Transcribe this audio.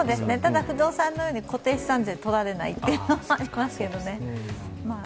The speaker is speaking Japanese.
ただ、不動産のように固定資産税が取られないというのがありますけどね。